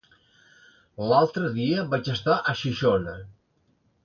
L'altre dia vaig estar a Xixona.